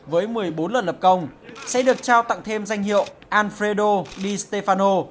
với một mươi bốn lần lập công sẽ được trao tặng thêm danh hiệu alfredo di stefano